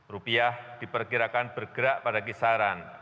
rupiah diperkirakan bergerak pada kisaran rp empat belas tiga ratus lima puluh per usd